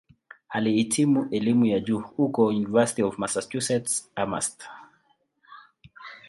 Alihitimu elimu ya juu huko "University of Massachusetts-Amherst".